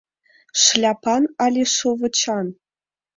Шляпан але шовычан?